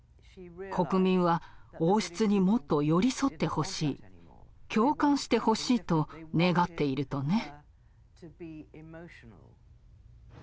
国民は王室にもっと寄り添ってほしい共感してほしいと願っているとね。